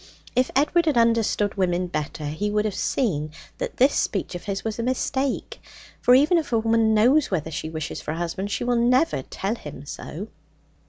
If Edward had understood women better, he would have seen that this speech of his was a mistake; for even if a woman knows whether she wishes for a husband, she will never tell him so.